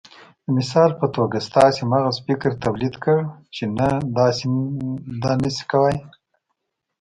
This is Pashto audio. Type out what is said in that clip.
د مثال په توګه ستاسې مغز فکر توليد کړ چې ته دا نشې کولای.